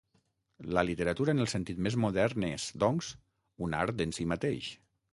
La literatura en el sentit més modern és, doncs, un art en si mateix.